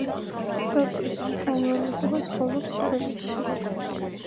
ბაპტისტთა უმრავლესობა ცხოვრობს თბილისში.